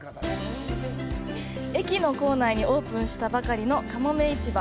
駅の構内にオープンしたばかりのかもめ市場。